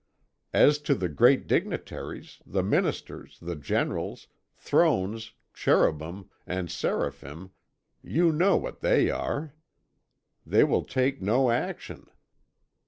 As to the great dignitaries, the Ministers, the Generals, Thrones, Cherubim, and Seraphim, you know what they are; they will take no action.